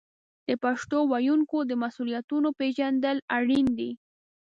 د پښتو ویونکو د مسوولیتونو پیژندل اړین دي.